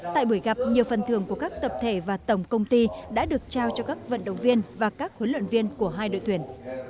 tại buổi gặp nhiều phần thường của các tập thể và tổng công ty đã được trao cho các vận động viên và các huấn luyện viên của hai đội tuyển